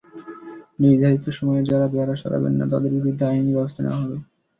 নির্ধারিত সময়ে যাঁরা বেড়া সরাবেন না, তাঁদের বিরুদ্ধে আইনি ব্যবস্থা নেওয়া হবে।